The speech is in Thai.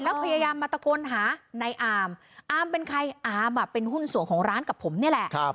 แล้วพยายามมาตะโกนหาในอามอามเป็นใครอามเป็นหุ้นส่วนของร้านกับผมนี่แหละ